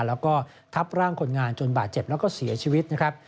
แล้วก็ทับร่างคนงานจนบาดเจ็บแล้วก็เสียชีวิตนะครับ